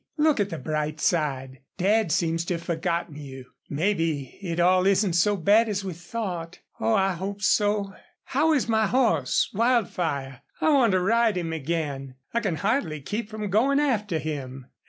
Look at the bright side. Dad seems to have forgotten you. Maybe it all isn't so bad as we thought. Oh, I hope so! ... How is my horse, Wildfire? I want to ride him again. I can hardly keep from going after him."